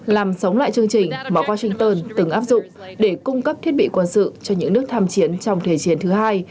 làm sống lại chương trình mà washington từng áp dụng để cung cấp thiết bị quân sự cho những nước tham chiến trong thế chiến thứ hai